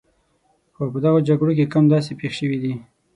خو په دغو جګړو کې کم داسې پېښ شوي دي.